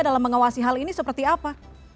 dalam mengawasi hal ini seperti apa